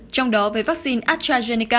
trong đó về vaccine astrazeneca